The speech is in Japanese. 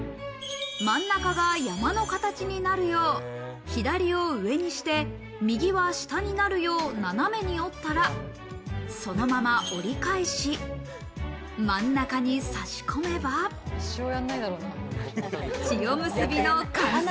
真ん中が山の形になるよう左を上にして右は下になるよう斜めに折ったら、そのまま折り返し、真ん中に差し込めば、千代結びの完成。